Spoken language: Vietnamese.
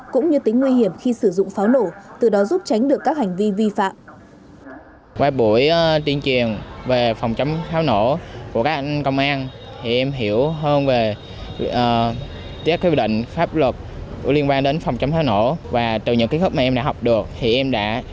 cũng như tính nguy hiểm khi sử dụng pháo nổ từ đó giúp tránh được các hành vi vi phạm